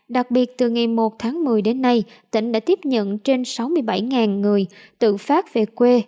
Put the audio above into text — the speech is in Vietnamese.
đặc biệt từ ngày một tháng một mươi đến nay tỉnh đã tiếp nhận trên sáu mươi bảy người tự phát về quê